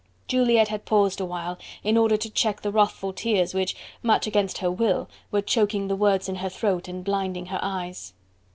Juliette had paused awhile, in order to check the wrathful tears which, much against her will, were choking the words in her throat and blinding her eyes.